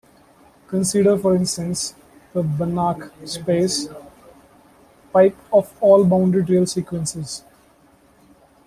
Consider for instance the Banach space "l" of all bounded real sequences.